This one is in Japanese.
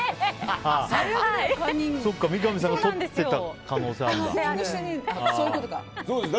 三上さんがとってた可能性あるんだ。